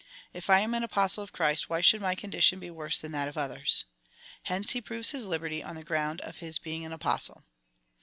" If I am an Apostle of Christ, why should my condition be worse than that of others V Hence he proves his liberty on the ground of his being an Apostle.